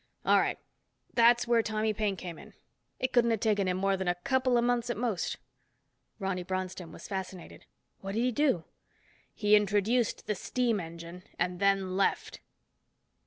All right. That's where Tommy Paine came in. It couldn't have taken him more than a couple of months at most." Ronny Bronston was fascinated. "What'd he do?" "He introduced the steam engine, and then left."